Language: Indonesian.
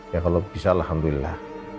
ya kalau bisa alhamdulillah